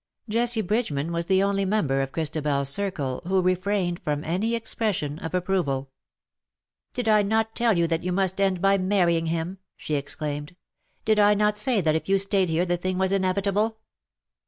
Jessie Bridgeman was the only member of Christabers circle who refrained from any expression of approval. ^^Did I not tell you that you must end by marrying him ?'' she exclaimed. " Did I not say that if you stayed here the thing was inevitable?